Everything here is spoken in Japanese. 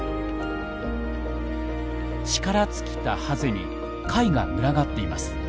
力尽きたハゼに貝が群がっています。